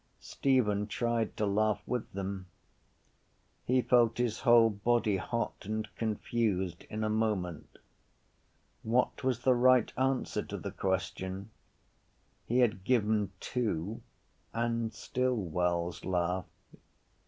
Stephen tried to laugh with them. He felt his whole body hot and confused in a moment. What was the right answer to the question? He had given two and still Wells laughed.